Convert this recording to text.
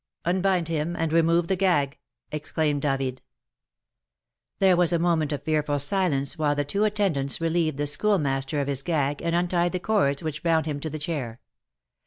"Unbind him, and remove the gag!" exclaimed David. There was a moment of fearful silence while the two attendants relieved the Schoolmaster of his gag and untied the cords which bound him to the chair.